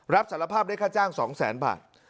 รับสารภาพได้ค่าจ้าง๒๐๐๐๐บาท